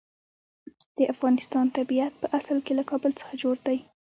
د افغانستان طبیعت په اصل کې له کابل څخه جوړ دی.